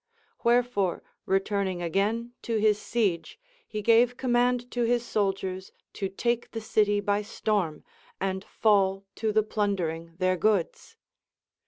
Wherefore return ing again to his siege, he g;ive command to his soldiers to take the city by storm, and fall to the plundering their goods.